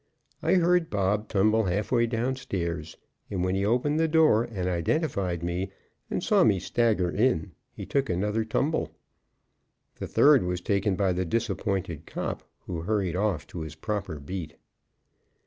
I heard Bob tumble half way down stairs; and, when he opened the door and identified me and saw me stagger in, he took another tumble. The third was taken by the disappointed cop, who hurried off to his proper beat.